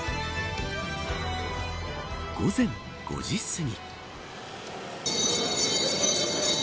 午前５時すぎ。